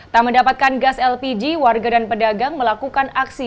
tak mendapatkan gas lpg warga dan pedagang melakukan aksi